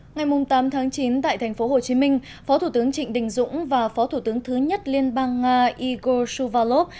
ngày tám chín tại tp hcm phó thủ tướng trịnh đình dũng và phó thủ tướng thứ nhất liên bang nga igo suvarlov